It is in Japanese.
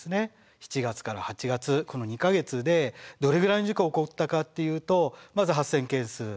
７月から８月この２か月でどれぐらいの事故起こったかっていうとまず発生件数４５９件。